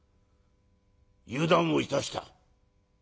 油断をいたした。